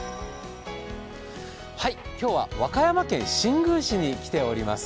今日は和歌山県新宮市に来ております。